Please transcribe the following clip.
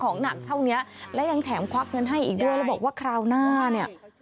หนักเท่านี้และยังแถมควักเงินให้อีกด้วยแล้วบอกว่าคราวหน้าเนี่ย